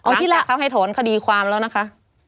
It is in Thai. รักจากเขาให้ถอนคดีความแล้วนะคะ